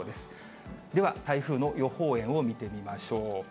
では台風の予報円を見てみましょう。